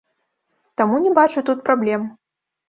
Таму не бачу тут праблем.